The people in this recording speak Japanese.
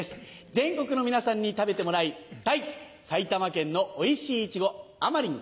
全国の皆さんに食べてもらいたい埼玉県のおいしいいちご「あまりん」。